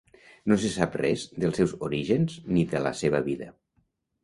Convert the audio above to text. No se sap res dels seus orígens ni de la seva vida.